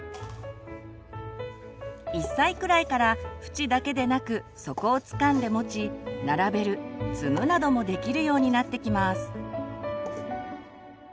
１歳くらいから縁だけでなく底をつかんで持ち並べる積むなどもできるようになってきます。